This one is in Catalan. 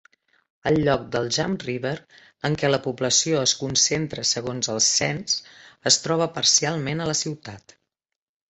El lloc del Jump River en què la població es concentra segons el cens es troba parcialment a la ciutat.